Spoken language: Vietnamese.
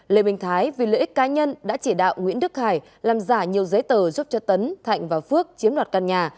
lê minh thái vì lợi ích cá nhân đã chỉ đạo nguyễn đức hải làm giả nhiều giấy tờ giúp cho tấn thạnh và phước chiếm đoạt căn nhà